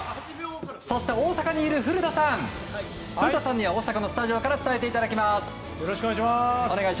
そして大阪にいる古田さんには大阪のスタジオから伝えていただきます。